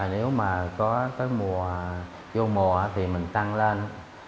nếu mà có cái mùa vô mùa thì mình tăng lên